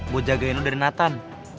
buat jagain lo dari natan